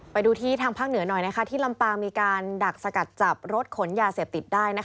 ไปดูที่ทางภาคเหนือหน่อยที่ลำปางมีการดักสกัดจับรถขนยาเสพติดได้